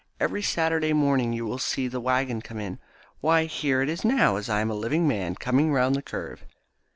Every Saturday morning you will see the waggon come in. Why, here it is now, as I am a living man, coming round the curve."